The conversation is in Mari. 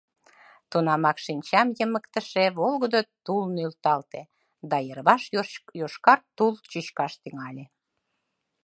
Тунамак шинчам йымыктыше волгыдо тул нӧлталте — да йырваш йошкар тул чӱчкаш тӱҥале.